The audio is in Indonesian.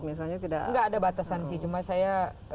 misalnya tidak ada batasan sih cuma saya